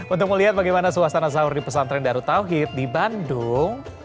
untuk melihat bagaimana suasana sahur di pesantren darut tauhid di bandung